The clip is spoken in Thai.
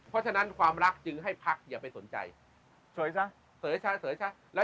เพราะฉะนั้นความรักจื้อให้พักอย่าไปสนใจเสริสะเสริสะ